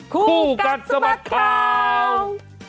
คู่กัดสะบัดข่าว